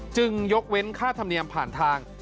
ยกเว้นค่าธรรมเนียมผ่านทาง